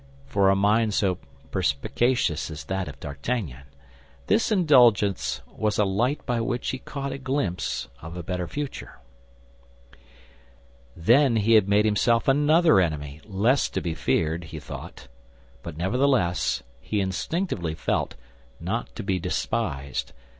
For a mind so perspicuous as that of D'Artagnan, this indulgence was a light by which he caught a glimpse of a better future. Then he had made himself another enemy, less to be feared, he thought; but nevertheless, he instinctively felt, not to be despised.